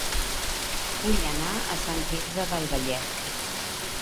Vull anar a Sant Quirze del Vallès